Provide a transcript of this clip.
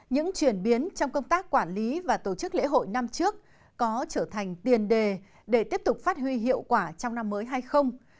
những chuyển biến trong công tác quản lý và tổ chức lễ hội năm trước có trở thành tiền đề để tiếp tục phát huy hiệu quả trong năm mới hay không